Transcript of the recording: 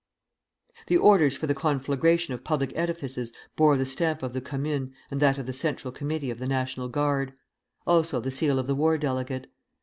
The orders for the conflagration of public edifices bore the stamp of the Commune and that of the Central Committee of the National Guard; also the seal of the war delegate.